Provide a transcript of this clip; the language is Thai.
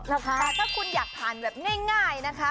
แต่ถ้าคุณอยากทานแบบง่ายนะคะ